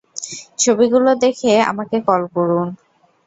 ছবিগুলো দেখে আমাকে কল করুন।